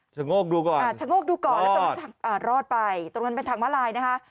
โงกดูก่อนชะโงกดูก่อนแล้วรอดไปตรงนั้นเป็นทางมาลายนะคะ